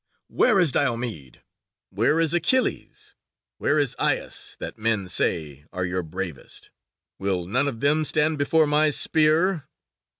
Where is Diomede, where is Achilles, where is Aias, that, men say, are your bravest? Will none of them stand before my spear?"